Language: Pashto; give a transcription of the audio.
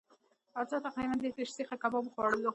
هر چا تقریبأ دېرش دېرش سیخه کباب وخوړلو.